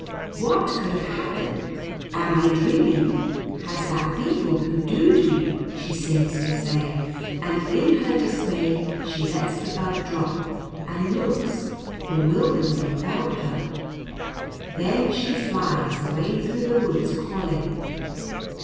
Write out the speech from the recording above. "What could have happened? am I dreaming? has that beetle hoodooed me?" she seems to say, and in her dismay she lets the bug drop, and looks bewilderedly about her. Then she flies away through the woods, calling.